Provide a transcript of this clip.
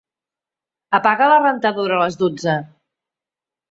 Apaga la rentadora a les dotze.